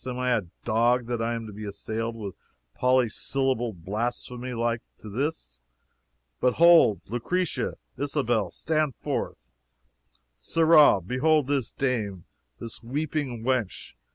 am I a dog that I am to be assailed with polysyllabled blasphemy like to this? But hold! Lucretia, Isabel, stand forth! Sirrah, behold this dame, this weeping wench.